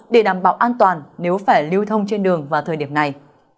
để đảm bảo an toàn nếu phải lưu thông trên đường vào thời điểm này